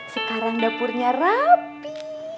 sekarang dapurnya rapi